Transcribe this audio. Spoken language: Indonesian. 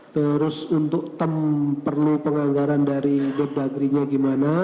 terus untuk tem perlu penganggaran dari dedagri nya bagaimana